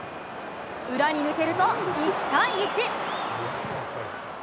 裏に抜けると、１対１。